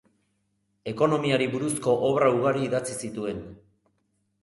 Ekonomiari buruzko obra ugari idatzi zituen.